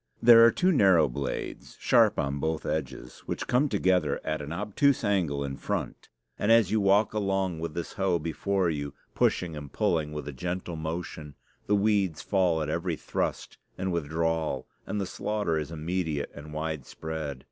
There are two narrow blades, sharp on both edges, which come together at an obtuse angle in front; and as you walk along with this hoe before you, pushing and pulling with a gentle motion, the weeds fall at every thrust and withdrawal, and the slaughter is immediate and widespread.